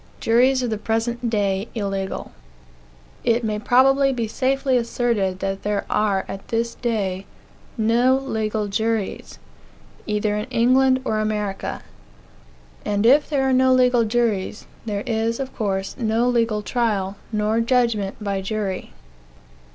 JURIES OF THE PRESENT DAY ILLEGAL It may probably be safely asserted that there are, at this day, no legal juries, either in England or America. And if there are no legal juries, there is, of course, no legal trial, nor "judgment," by jury.